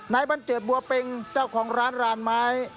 นายบัญเจียบบัวเป็งเจ้าของร้านลานไม้